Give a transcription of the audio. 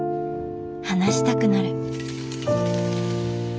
話したくなる。